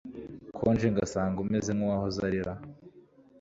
ko nje ngasanga umeze nkuwahoze arira